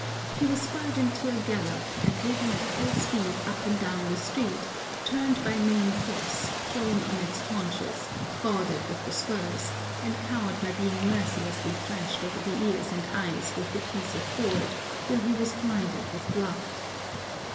He was spurred into a gallop, and ridden at full speed up and down the street, turned by main force, thrown on his haunches, goaded with the spurs, and cowed by being mercilessly thrashed over the ears and eyes with the piece of board till he was blinded with blood.